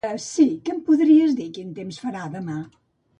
Si, que em podries dir quin temps farà demà?